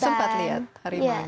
sempat lihat harimaunya